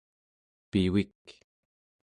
pivik